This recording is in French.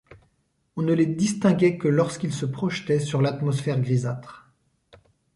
On ne les distinguait que lorsqu’ils se projetaient sur l’atmosphère grisâtre.